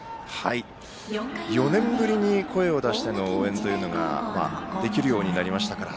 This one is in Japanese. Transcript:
４年ぶりに声を出しての応援というのができるようになりましたから。